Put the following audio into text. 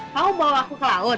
kau bawa aku ke laut